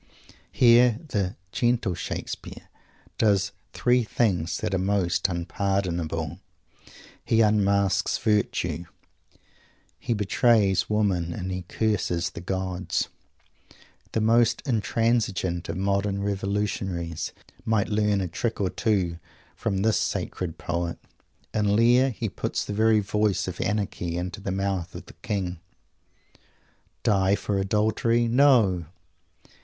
Here the "gentle Shakespeare" does the three things that are most unpardonable. He unmasks virtue; he betrays Woman; and he curses the gods. The most intransigent of modern revolutionaries might learn a trick or two from this sacred poet. In Lear he puts the very voice of Anarchy into the mouth of the King "Die for adultery? No!"